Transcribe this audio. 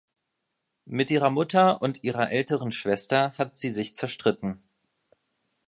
Mit ihrer Mutter und ihrer älteren Schwester hat sie sich zerstritten.